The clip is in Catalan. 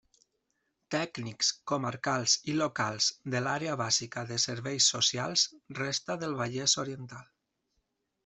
Tècnics comarcals i locals de l'Àrea Bàsica de Serveis Socials resta del Vallès Oriental.